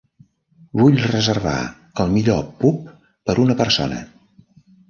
Vull reservar el millor pub per una persona.